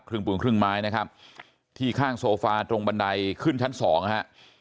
ปูนครึ่งไม้นะครับที่ข้างโซฟาตรงบันไดขึ้นชั้นสองฮะ